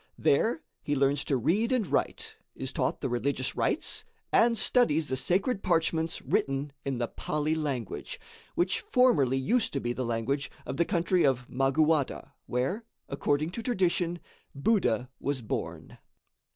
There he learns to read and write, is taught the religious rites and studies the sacred parchments written in the Pali language which formerly used to be the language of the country of Maguada, where, according to tradition, Buddha was born.